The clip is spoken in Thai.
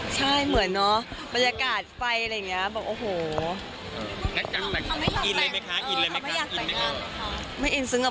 พี่เอาใส่ชุดเจ้าสาวที่ยังไงอย่างไรพี่ยังไง